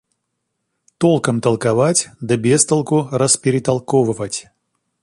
Толком толковать, да без толку расперетолковывать.